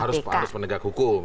harus penegak hukum